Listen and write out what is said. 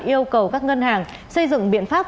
yêu cầu các ngân hàng xây dựng biện pháp